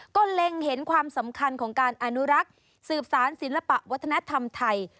ก็เล็งเห็นความสำคัญของการอนุรักษ์สืบสารศิลปะวัฒนธรรมไทย